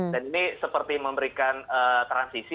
dan ini seperti memberikan transisi